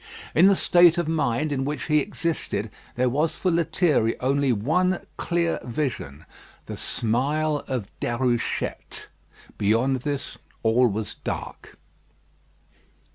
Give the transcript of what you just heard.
In the state of mind in which he existed, there was for Lethierry only one clear vision the smile of Déruchette. Beyond this all was dark.